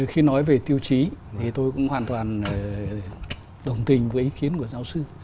khi nói về tiêu chí thì tôi cũng hoàn toàn đồng tình với ý kiến của giáo sư